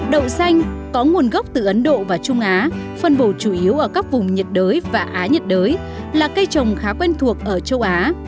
đậu xanh có nguồn gốc từ ấn độ và trung á phân bổ chủ yếu ở các vùng nhiệt đới và á nhiệt đới là cây trồng khá quen thuộc ở châu á